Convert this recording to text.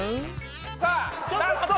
さあラスト！